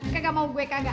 kagak mau gue kagak